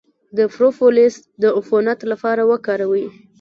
د پروپولیس د عفونت لپاره وکاروئ